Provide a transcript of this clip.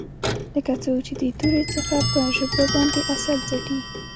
لکه څوک چې د تورې څخه په ژبه باندې عسل څټي.